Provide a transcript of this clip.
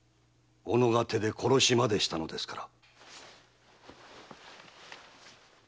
己が手で殺しまでしたのですから。